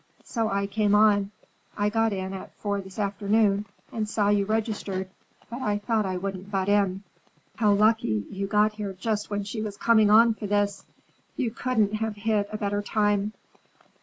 So I came on. I got in at four this afternoon and saw you registered, but I thought I wouldn't butt in. How lucky you got here just when she was coming on for this. You couldn't have hit a better time."